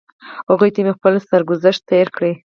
هغوی ته مې خپل سرګذشت تېر کړ.